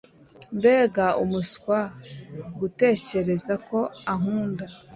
Mbega umuswa gutekereza ko ankunda